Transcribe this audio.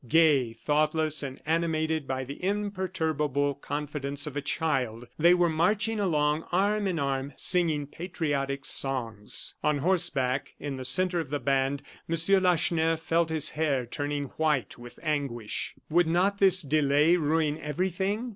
Gay, thoughtless, and animated by the imperturbable confidence of a child, they were marching along, arm in arm, singing patriotic songs. On horseback, in the centre of the band, M. Lacheneur felt his hair turning white with anguish. Would not this delay ruin everything?